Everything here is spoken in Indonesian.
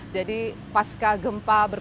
jadi pasca gempa berkembang